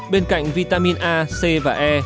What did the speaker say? bên cạnh vitamin a c và e